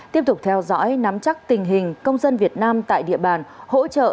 tiếp tục theo dõi nắm chắc tình hình công dân việt nam tại địa bàn hỗ trợ